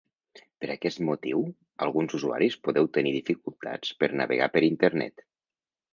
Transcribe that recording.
Per aquest motiu, alguns usuaris podeu tenir dificultats per navegar per internet.